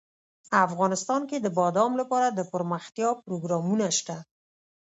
افغانستان کې د بادام لپاره دپرمختیا پروګرامونه شته.